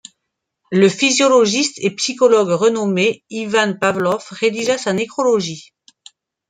Le physiologiste et psychologue renommé Ivan Pavlov rédigea sa nécrologie.